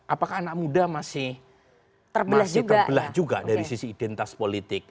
apakah anak muda masih terbelah juga dari sisi identitas politik